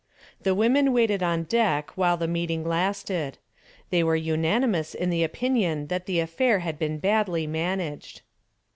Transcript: The women waited on deck while the meeting lasted. They were unanimous in the opinion that the affair had been badly managed.